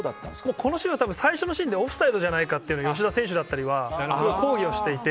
このシーンは多分最初のシーンでオフサイドじゃないかって吉田選手だったりは抗議をしていて。